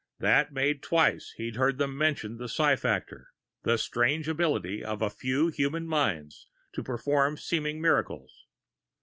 That made twice he'd heard them mention the psi factor the strange ability a few human minds had to perform seeming miracles.